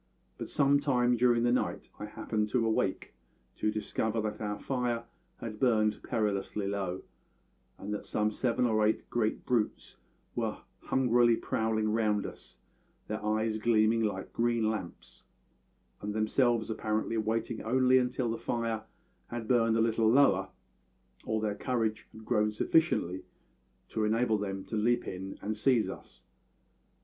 But some time during the night I happened to awake, to discover that our fire had burned perilously low, and that some seven or eight great brutes were hungrily prowling round us, their eyes gleaming like green lamps, and themselves apparently waiting only until the fire had burned a little lower, or their courage had grown sufficiently to enable them to leap in and seize us.